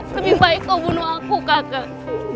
lebih baik kau bunuh aku kakak